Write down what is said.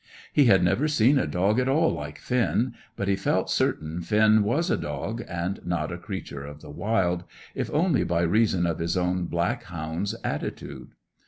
He had never seen a dog at all like Finn, but he felt certain Finn was a dog, and not a creature of the wild, if only by reason of his own black hound's attitude.